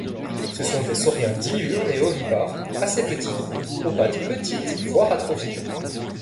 Ce sont des sauriens diurnes et ovipares, assez petits, aux pattes petites voire atrophiées.